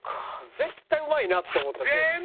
絶対うまいなって思った全部。